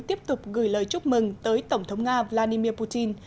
tiếp tục gửi lời chúc mừng tới tổng thống nga vladimir putin